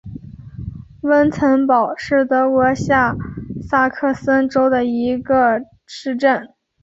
温岑堡是德国下萨克森州的一个市镇。